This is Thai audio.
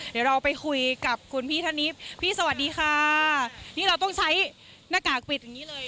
เดี๋ยวเราไปคุยกับคุณพี่ท่านนี้พี่สวัสดีค่ะนี่เราต้องใช้หน้ากากปิดอย่างงี้เลย